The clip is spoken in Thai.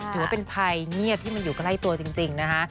ถือว่าเป็นภัยเงียบที่มันอยู่ใกล้ตัวจริงนะคะ